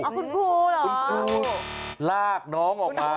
คุณครูลากน้องออกมา